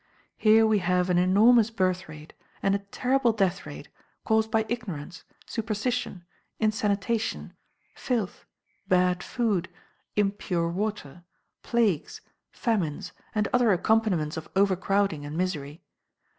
Here we have an enormous birth rate, and a terrible death rate caused by ignorance, superstition, insanitation, filth, bad food, impure water, plagues, famines, and other accompaniments of overcrowding and misery.